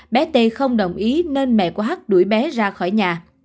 bé t không đồng ý nên mẹ của hắc đuổi bé ra khỏi nhà